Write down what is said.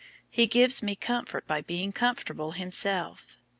He gives me comfort by being comfortable himself."